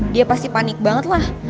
dia pasti panik banget lah